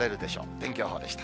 天気予報でした。